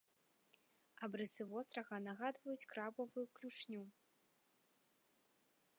Абрысы вострава нагадваюць крабавую клюшню.